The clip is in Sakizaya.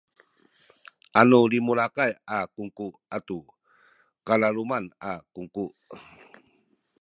anu limulakay a kungku atu kalaluman a kungku